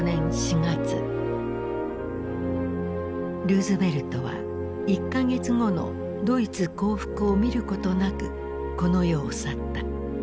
ルーズベルトは１か月後のドイツ降伏を見ることなくこの世を去った。